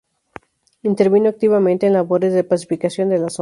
Intervino activamente en labores de pacificación de la zona.